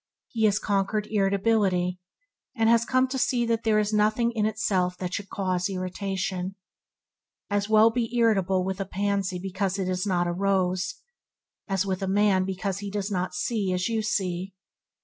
He has conquered irritability, and has come to see that there is nothing in itself that should cause irritation. As well be irritable with a pansy because it is not a rose, as a with a man because he does not see as you see.